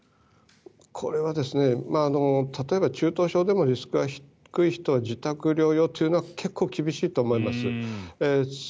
これは例えば中等症でもリスクが低い人は自宅療養というのは結構厳しいと思います。